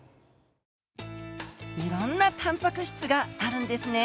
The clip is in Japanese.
いろんなタンパク質があるんですね。